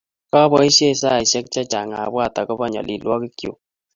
Kaboishee saishek che chang abwaat akoba nyalilwogik chu